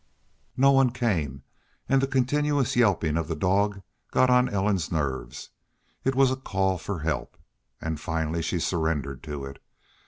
No one came, and the continuous yelping of the dog got on Ellen's nerves. It was a call for help. And finally she surrendered to it.